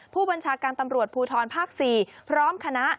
ผู้บัญชาการตำรวจภูทรภาค๔พร้อมคณะ